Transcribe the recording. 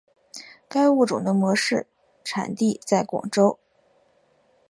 该物种的模式产地在广州。